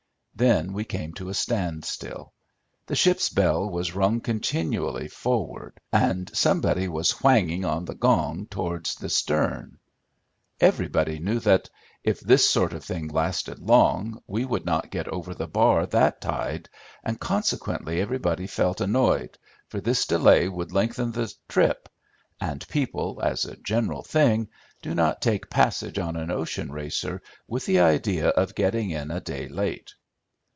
Then we came to a standstill. The ship's bell was rung continually forward and somebody was whanging on the gong towards the stern. Everybody knew that, if this sort of thing lasted long, we would not get over the bar that tide, and consequently everybody felt annoyed, for this delay would lengthen the trip, and people, as a general thing, do not take passage on an ocean racer with the idea of getting in a day late.